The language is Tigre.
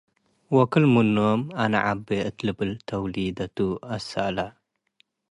ወክል-ምኖ'ም፤ “አና ዐቤ'" እት ልብል ተውሊደቱ አሰ'አለ።